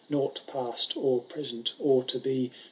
Nought past, or present, or to be.